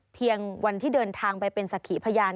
เพียงวันที่เดินทางไปเป็นสักขีพยาน